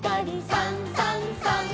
「さんさんさん」